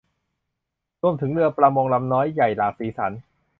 รวมถึงเรือประมงลำน้อยใหญ่หลากสีสัน